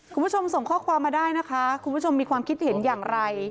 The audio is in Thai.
คุณผู้ชมส่งข้อความมาได้นะคะคุณผู้ชมมีความคิดเห็นอย่างไร